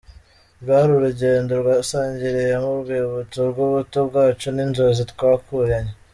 Rwari urugendo twasangiriyemo urwibutso rw’ubuto bwacu n’inzozi twakuranye.